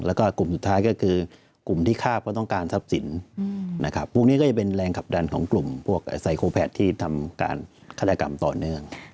แล้วก็กลุ่มสุดท้ายก็คือกลุ่มที่ฆ่าเพราะต้องการทรัพย์สินนะครับพวกนี้ก็จะเป็นแรงขับดันของกลุ่มพวกไซโครแพทที่ทำการฆาตกรรมต่อเนื่อง